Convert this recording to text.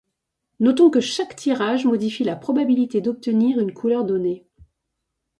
Notons que chaque tirage modifie la probabilité d'obtenir une couleur donnée.